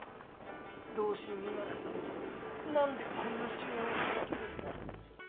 同心見習が何でこんな酒宴を開けるんだ？